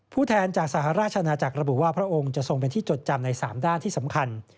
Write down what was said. แทนจากสหราชนาจักรระบุว่าพระองค์จะทรงเป็นที่จดจำใน๓ด้านที่สำคัญ